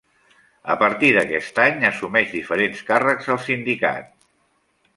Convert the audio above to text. A partir d'aquest any assumeix diferents càrrecs al sindicat.